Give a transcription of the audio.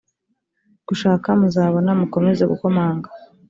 gushaka muzabona mukomeze gukomanga